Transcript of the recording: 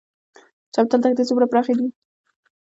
چمتال دښتې څومره پراخې دي؟